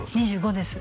２５です